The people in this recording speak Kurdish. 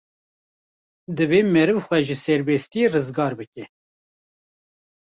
Divê meriv xwe ji serbestiyê rizgar bike.